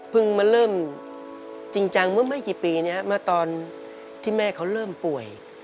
เพิ่งมาเริ่มจริงเมื่อไม่กี่ปีนี้มาตอนที่แม่เขาเริ่มป่วย